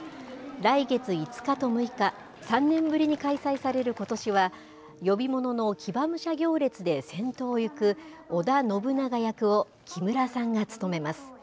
来月５日と６日、３年ぶりに開催されることしは、呼び物の騎馬武者行列で先頭を行く織田信長役を木村さんが務めます。